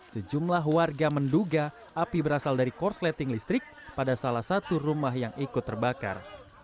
sejumlah warga menduga api berasal dari korsleting listrik pada salah satu rumah yang ikut terbakar